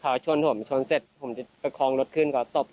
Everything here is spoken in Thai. สาวช้นผมช้นเสร็จผมจะไปคลองรถขึ้นก็ตบผม